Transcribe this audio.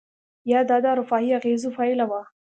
یا دا د اروپایي اغېزو پایله وه؟